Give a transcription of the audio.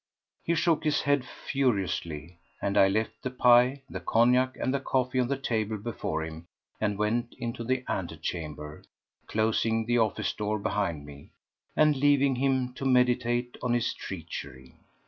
He shook his head furiously, and I left the pie, the cognac and the coffee on the table before him and went into the antechamber, closing the office door behind me, and leaving him to meditate on his treachery.